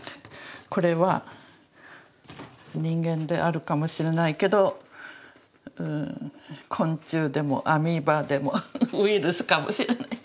これは人間であるかもしれないけど昆虫でもアミーバでもウイルスかもしれない。